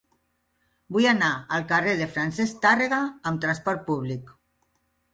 Vull anar al carrer de Francesc Tàrrega amb trasport públic.